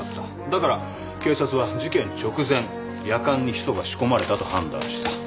だから警察は事件直前やかんにヒ素が仕込まれたと判断した。